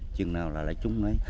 chừng nào là lại trúng ấy